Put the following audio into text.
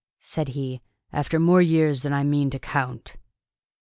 said he. "After more years than I mean to count!"